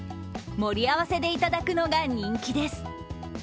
盛り合わせでいただくのが人気です。